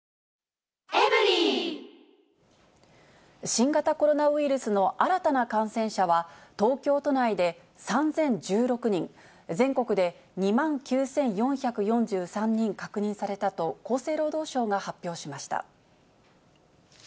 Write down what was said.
新型コロナウイルスの新たな感染者は、東京都内で３０１６人、全国で２万９４４３人確認されたと、厚生労働省が発表しました。